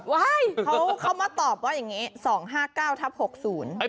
ว้ายเขามาตอบว่าอย่างนี้๒๕๙ทับ๖๐